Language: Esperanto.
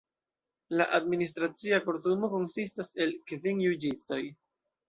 La Administracia Kortumo konsistas el kvin juĝistoj.